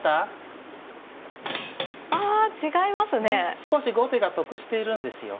少し後手が得しているんですよ。